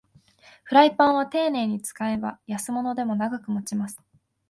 フライパンはていねいに使えば安物でも長く持ちます